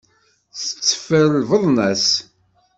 Tetteffer lbaḍna-s.